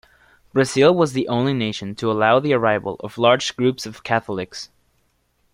Brazil was the only nation to allow the arrival of large groups of Catholics.